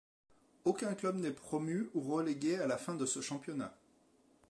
Aucun club n'est promu ou relégué à la fin de ce championnat.